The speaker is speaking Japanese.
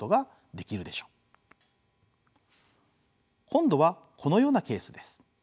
今度はこのようなケースです。